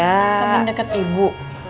teman deket ibu